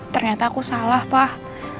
ternyata aku salah pak